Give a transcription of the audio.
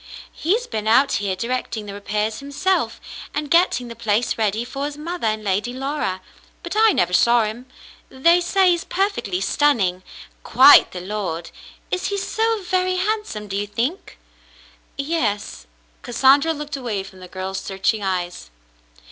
"He's been out here directing the repairs himself, and getting the place ready for his mother and Lady Laura; but I never saw him. They say he's perfectly stunning. Quite the lord. Is he so very handsome, do you think ?" "Yes." Cassandra looked away from the girl's search ing eyes.